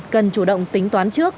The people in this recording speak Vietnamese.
cần chủ động tính toán trước